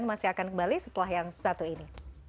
masih akan kembali setelah yang satu ini